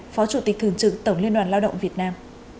phó chủ tịch thường trực tổng liên đoàn lao động việt nam